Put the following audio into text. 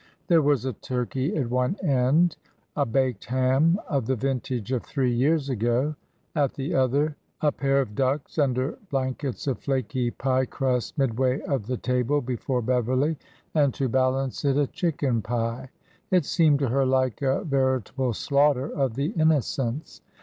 There was a turkey at one end ; a baked ham, of the vintage of three years ago, at the other ; a pair of ducks under " blankets of flaky pie crust midway of the table before Beverly ; and, to balance it, a chicken pie. It seemed to her like a veri table slaughter of the innocents.